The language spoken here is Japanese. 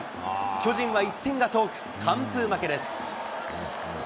巨人は１点が遠く、完封負けです。